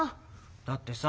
だってさ